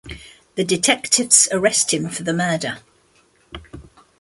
The detectives arrest him for the murder.